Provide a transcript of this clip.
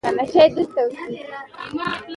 لوستې میندې د ماشوم سالمه غذا برابروي.